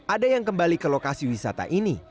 ada yang kembali ke lokasi wisata ini